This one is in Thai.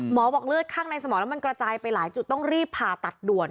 บอกเลือดข้างในสมองแล้วมันกระจายไปหลายจุดต้องรีบผ่าตัดด่วน